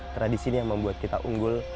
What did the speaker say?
tradisi ini yang membuat kita unggul